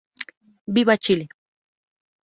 Viva Chile!